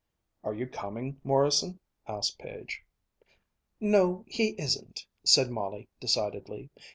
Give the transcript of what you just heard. "Are you coming, Morrison?" asked Page. "No, he isn't," said Molly decidedly.